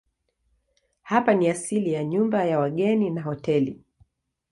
Hapa ni asili ya nyumba ya wageni na hoteli.